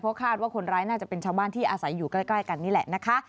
คาดว่าคนร้ายน่าจะเป็นชาวบ้านที่อาศัยอยู่ใกล้กันนี่แหละนะคะ